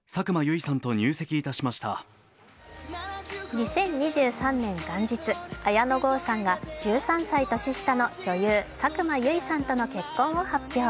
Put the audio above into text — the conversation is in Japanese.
２０２３年元日、綾野剛さんが１３歳年下の女優・佐久間由衣さんとの結婚を発表。